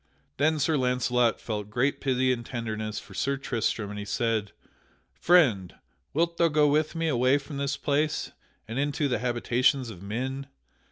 Then Sir Launcelot felt great pity and tenderness for Sir Tristram, and he said: "Friend, wilt thou go with me away from this place and into the habitations of men?